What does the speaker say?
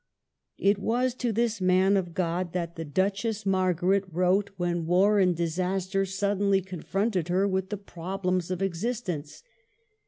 It was to this Man of God that the Duchess THE AFFAIR OF MEAUX. 49 Margaret wrote when war and disaster suddenly confronted her with the problems of existence.